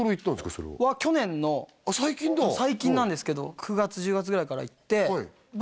それは去年のあ最近だ最近なんですけど９月１０月ぐらいから行って僕